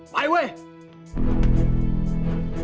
ไปเว้ย